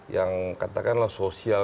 yang katakanlah sosial